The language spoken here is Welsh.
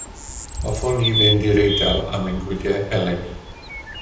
Hoffwn i fynd i'r Eidal am ein gwyliau eleni.